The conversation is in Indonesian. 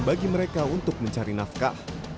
bagi mereka untuk mencari nafkah